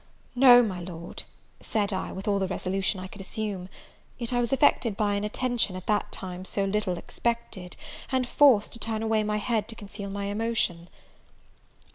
"No, my Lord," said I, with all the resolution I could assume; yet I was affected by an attention, at that time so little expected, and forced to turn away my head to conceal my emotion.